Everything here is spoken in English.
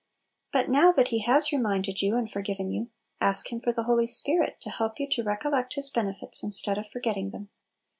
But now that He has reminded you and forgiven you, ask Him for the Holy Spirit to help you to recollect His benefits instead of forgetting them.